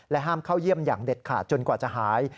ห้ามเข้าเยี่ยมอย่างเด็ดขาดจนกว่าจะหาย